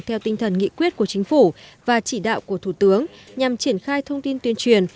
theo tinh thần nghị quyết của chính phủ và chỉ đạo của thủ tướng nhằm triển khai thông tin tuyên truyền